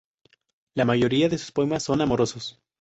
La mayoría de sus poemas son amorosos.